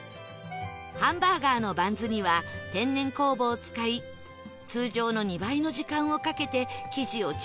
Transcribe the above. ハンバーガーのバンズには天然酵母を使い通常の２倍の時間をかけて生地をじっくり熟成